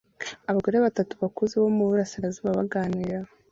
Abagore batatu bakuze bo muburasirazuba baganira